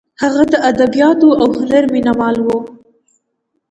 هغه د ادبیاتو او هنر مینه وال و.